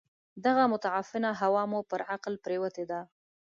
دغه متعفنه هوا مو پر عقل پرېوته ده.